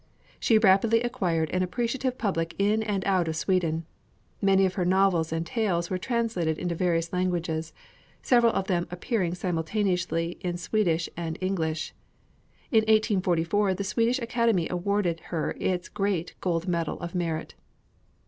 She rapidly acquired an appreciative public in and out of Sweden. Many of her novels and tales were translated into various languages, several of them appearing simultaneously in Swedish and English. In 1844 the Swedish Academy awarded her its great gold medal of merit.